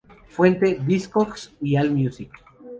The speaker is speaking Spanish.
Fuente: Discogs y Allmusic.